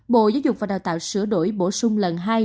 bộ giáo dục và đào tạo sửa đổi bổ sung lần hai